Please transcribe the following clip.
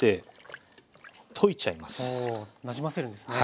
なじませるんですね。